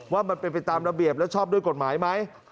ว่ามันเป็นไปตามระเบียบและชอบด้วยกฎหมายไหม